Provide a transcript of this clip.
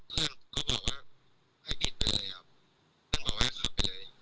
ผมขับออกเช่นภริพาครับ